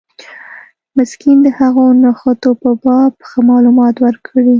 مسکین د هغو نښتو په باب ښه معلومات ورکړي.